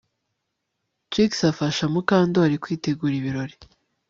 Trix afasha Mukandoli kwitegura ibirori